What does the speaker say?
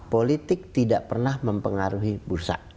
politik tidak pernah mempengaruhi bursa